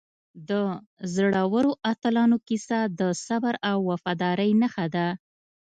د زړورو اتلانو کیسه د صبر او وفادارۍ نښه ده.